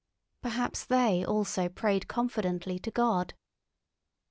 Perhaps they also prayed confidently to God.